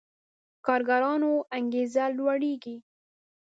کارګرانو انګېزه لوړېږي.